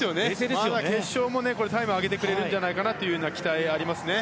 まだ決勝もタイムを上げてくれるんじゃないかなという期待もありますね。